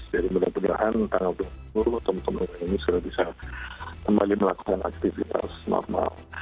jadi mudah mudahan tanggal dua puluh teman teman ini sudah bisa kembali melakukan aktivitas normal